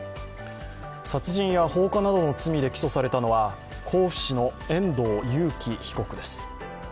殺人や放火などの罪で起訴されたのは甲府市の遠藤裕喜被告です。